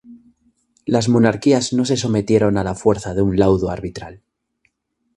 Las monarquías no se sometieron a la fuerza de un laudo arbitral.